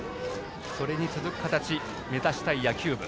それに続く形を目指したい野球部。